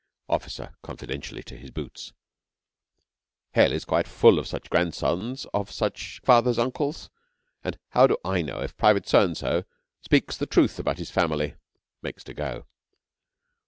OFFICER (confidentially to his boots). Hell is quite full of such grandsons of just such father's uncles; and how do I know if Private So and So speaks the truth about his family? (_Makes to go.